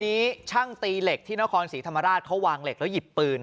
ช่างตีเหล็กที่นครศรีธรรมราชเขาวางเหล็กแล้วหยิบปืน